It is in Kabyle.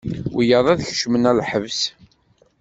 Wiyaḍ ad kecmen ɣer lḥebs.